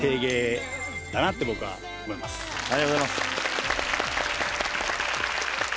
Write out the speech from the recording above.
ありがとうございます。